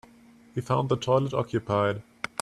He found the toilet occupied.